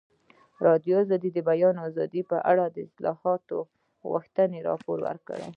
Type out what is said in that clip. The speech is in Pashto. ازادي راډیو د د بیان آزادي په اړه د اصلاحاتو غوښتنې راپور کړې.